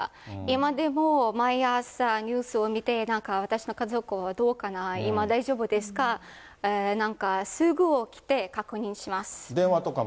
今でも毎朝、ニュースを見て、私の家族はどうかな、今大丈夫ですか、なんか、すぐ起きて確認します。